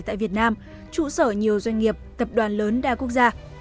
tại việt nam trụ sở nhiều doanh nghiệp tập đoàn lớn đa quốc gia